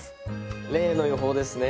例の油胞ですね